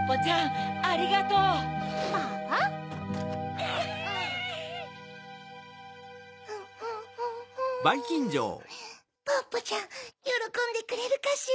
フンフンフンフンポッポちゃんよろこんでくれるかしら？